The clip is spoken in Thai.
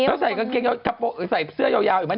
แล้วใส่กางเกงเยาใส่เสื้อยาวอีกมั้ย